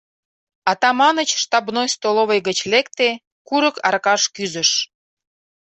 Атаманыч штабной столовый гыч лекте, курык аркаш кӱзыш.